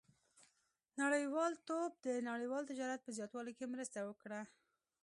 • نړیوالتوب د نړیوال تجارت په زیاتوالي کې مرسته وکړه.